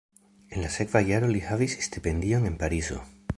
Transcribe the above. En la sekva jaro li havis stipendion en Parizo.